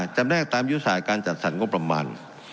แนกตามยุทธศาสตร์การจัดสรรงบประมาณ